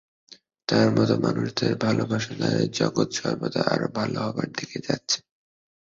তাঁর মত মানুষদের ভালবাসা দ্বারাই জগৎ সর্বদা আরও ভাল হবার দিকে যাচ্ছে।